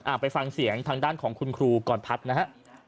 ไปฟังเสียงทางด้านของคุณครูก่อนพัฒน์นะฮะ